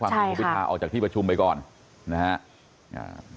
ฝั่งของคุณพิทาออกจากที่ประชุมไปก่อนนะฮะ